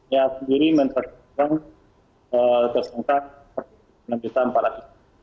ya sendiri menurut saya kesangka rp enam